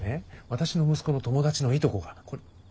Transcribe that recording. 私の息子の友達のいとこが。